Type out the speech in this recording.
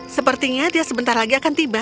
sepertinya dia sebentar lagi akan tiba